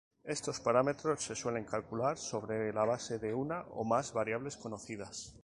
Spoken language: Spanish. Estos parámetros se suelen calcular sobre la base de una o más variables conocidas.